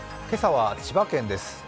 今朝は千葉県です。